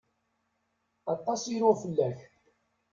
Aṭas i ruɣ fell-ak.